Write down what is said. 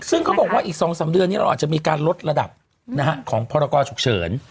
ซึ่งเขาบอกว่าอีก๒๓เดือนนี้เราอาจจะมีการลดระดับของพรกรฉุกเฉิน